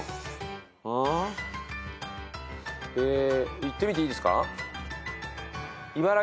いってみていいですか？